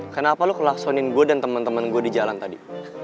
kenapa lo kelaksonin gue dan temen temen gue di jalan tadi